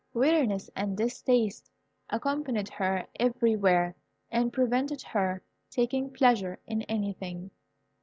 Weariness and distaste accompanied her everywhere, and prevented her taking pleasure in anything.